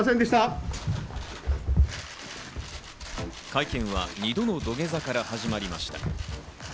会見は２度の土下座から始まりました。